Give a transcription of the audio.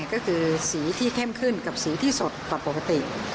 ก็คือสีที่เข้มขึ้นกับสีที่สดกว่าปกติ